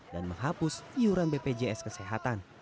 dan menghapus iuran bpjs kesehatan